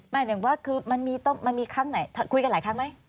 ไม่อย่างว่าคือมันมีต้องมันมีครั้งไหนคุยกันหลายครั้งไหม